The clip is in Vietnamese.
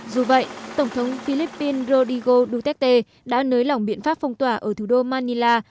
dù vậy tổng thống philippines rodrigo duterte đã nới lỏng biện pháp phong tỏa ở thủ đô manila